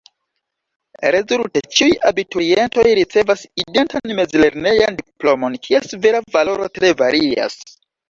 Rezulte: ĉiuj abiturientoj ricevas identan mezlernejan diplomon, kies vera valoro tre varias.